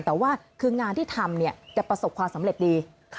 แต่ว่าคืองานที่ทำจะประสบความสำเร็จดี